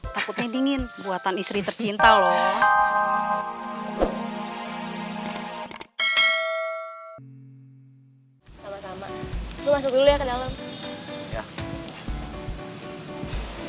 takutnya dingin buatan istri tercinta loh sama sama lo masuk dulu ya ke dalam